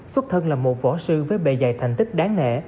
xuất thân là một võ sư với bề dạy thành tích đáng nể